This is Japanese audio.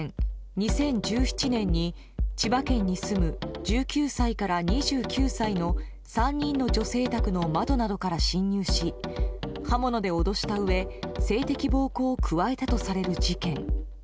２０１７年に千葉県に住む１９歳から２９歳の３人の女性宅の窓などから侵入し刃物で脅したうえ性的暴行を加えたとされる事件。